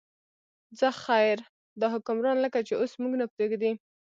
څه خیر دی، دا حکمران لکه چې اوس موږ نه پرېږدي.